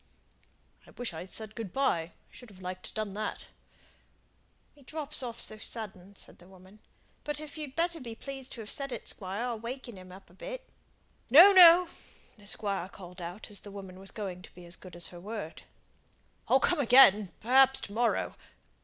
"I wish I'd said good by, I should like to have done that." "He drops off so sudden," said the woman. "But if you'd be better pleased to have said it, Squire, I'll waken him up a bit." "No, no!" the Squire called out as the woman was going to be as good as her word. "I'll come again, perhaps to morrow.